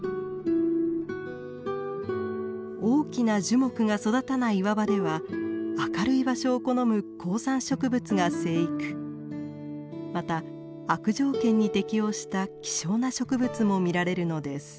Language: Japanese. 大きな樹木が育たない岩場では明るい場所を好む高山植物が生育また悪条件に適応した希少な植物も見られるのです。